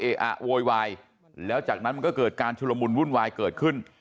อะโวยวายแล้วจากนั้นมันก็เกิดการชุลมุนวุ่นวายเกิดขึ้น